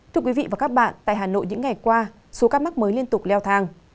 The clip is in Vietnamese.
thưa quý vị và các bạn tại hà nội những ngày qua số ca mắc mới liên tục leo thang